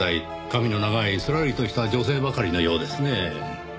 髪の長いすらりとした女性ばかりのようですねぇ。